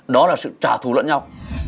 đó là sự trả thù lẫn nhau